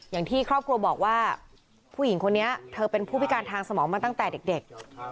อย่างที่ครอบครัวบอกว่าผู้หญิงคนนี้เธอเป็นผู้พิการทางสมองมาตั้งแต่เด็ก